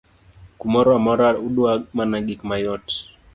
kumoro amora udwa mana gik mayot